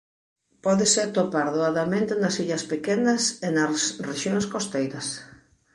Pódese atopar doadamente nas illas pequenas e nas rexións costeiras.